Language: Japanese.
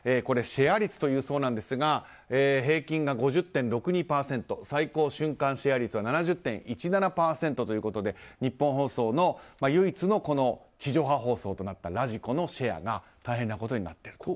シェア率というそうなんですが平均が５０．６２％最高瞬間者率は７０．１７％でニッポン放送の唯一の地上波放送になったラジコのシェアが大変なことになっている。